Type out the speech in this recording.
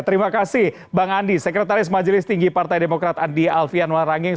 terima kasih bang andi sekretaris majelis tinggi partai demokrat andi alfian warangeng